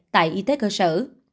tại y tế cơ sở